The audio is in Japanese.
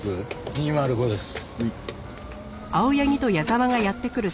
２０５です。